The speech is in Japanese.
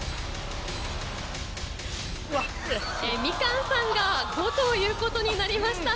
みかんさんが５ということになりました。